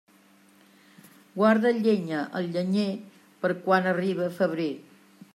Guarda llenya al llenyer per quan arribe febrer.